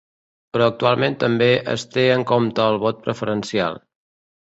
Però actualment també es té en compte el vot preferencial.